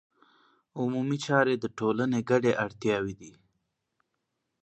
عمومي چارې د ټولنې ګډې اړتیاوې دي.